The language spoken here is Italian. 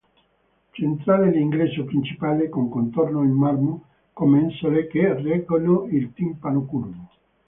Centrale l'ingresso principale con contorno in marmo con mensole che reggono il timpano curvo.